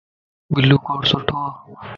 بلو ڪوٽ سھڻوو